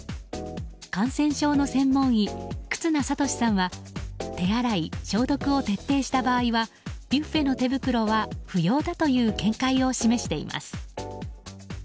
感染症の専門医・忽那賢志さんは手洗い、消毒を徹底した場合はビュッフェの手袋は不要だという見解を示しています。